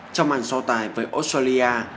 trong màn so tài với australia